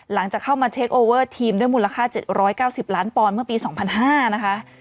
หลังจากเข้ามาเทคโอเวอร์ทีมด้วยมูลค่า๗๙๐ล้านปอนด์เมื่อปี๒๐๐๕นะคะ